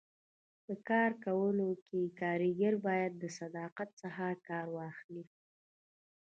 په کار کولو کي کاریګر باید د صداقت څخه کار واخلي.